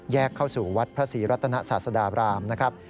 เข้าสู่วัดพระศรีรัตนศาสดาบรามนะครับ